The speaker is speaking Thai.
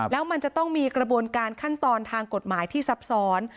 แล้วมันจะต้องมีกระบวนการขั้นตอนทางกฎหมายที่ซับซ้อน